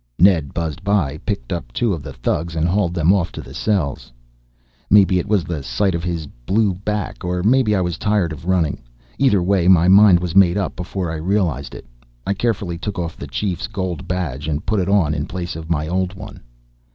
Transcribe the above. Ned buzzed by, picked up two of the thugs, and hauled them off to the cells. Maybe it was the sight of his blue back or maybe I was tired of running. Either way my mind was made up before I realized it. I carefully took off the Chief's gold badge and put it on in place of my old one.